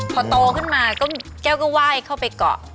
พอโตขึ้นมาแก้วก็ไหว้เข้าไปเกาะ